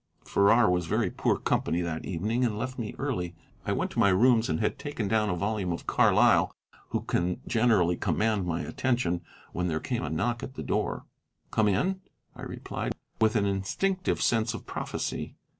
Farrar was very poor company that evening, and left me early. I went to my rooms and had taken down a volume of Carlyle, who can generally command my attention, when there came a knock at the door. "Come in," I replied, with an instinctive sense of prophecy.